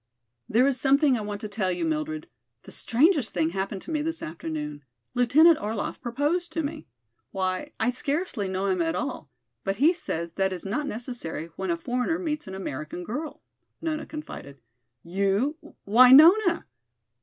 "There is something I want to tell you, Mildred. The strangest thing happened to me this afternoon. Lieutenant Orlaff proposed to me. Why, I scarcely know him at all, but he says that is not necessary when a foreigner meets an American girl," Nona confided. "You why, Nona!"